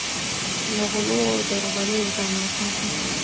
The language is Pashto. له غلو او درغلیو ځان وساتئ.